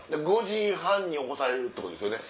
５時半に起こされるってことですよね？